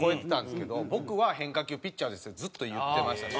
「僕は変化球ピッチャーです」ってずっと言ってましたし。